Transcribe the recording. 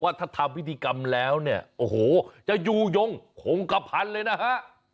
ถ้าทำพิธีกรรมแล้วเนี่ยโอ้โหจะอยู่ยงคงกระพันเลยนะฮะ